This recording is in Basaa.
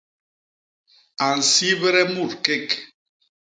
A nsibde mut kék.